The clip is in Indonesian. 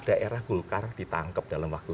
daerah golkar ditangkap dalam waktu